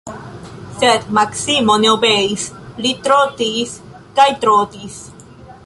Sed Maksimo ne obeis, li trotis kaj trotis.